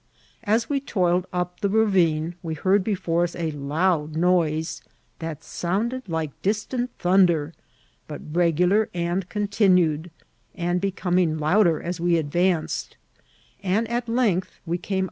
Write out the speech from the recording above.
As we toiled up the ravine, we heard before us a loud noise, that sounded like distant thunder, but regular and continued, and becoming loud er as we advanced ; and at length we came.